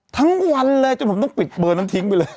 ทั้งวันเลยจนผมต้องปิดเบอร์นั้นทิ้งไปเลย